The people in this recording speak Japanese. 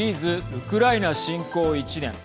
ウクライナ侵攻１年。